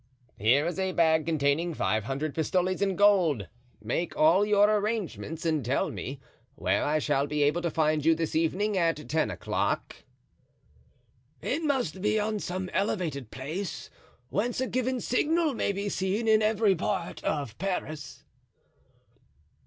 "Here is a bag containing five hundred pistoles in gold; make all your arrangements, and tell me where I shall be able to find you this evening at ten o'clock." "It must be on some elevated place, whence a given signal may be seen in every part of Paris."